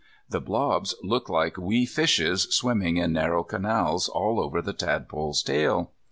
The blobs look like wee fishes swimming in narrow canals all over the tadpole's tail.